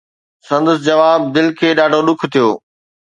سندس جواب دل کي ڏاڍو ڏک ٿيو.